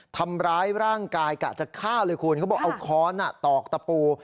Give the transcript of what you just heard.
ทำร้ายร่างกายกะจะฆ่าเลยคุณเขาบอกเอาค้อนตอกตะปู